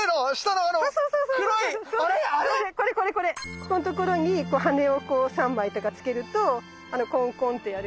ここんところに羽根を３枚とかつけるとあのコンコンってやる。